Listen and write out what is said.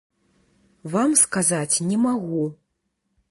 Вам сказаць не магу.